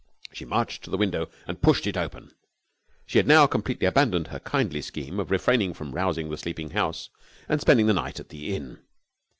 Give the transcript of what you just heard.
She marched to the window and pushed it open. She had now completely abandoned her kindly scheme of refraining from rousing the sleeping house and spending the night at the inn.